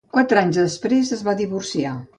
Quatre anys després es va divorciar.